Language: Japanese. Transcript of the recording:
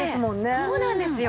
そうなんですよ。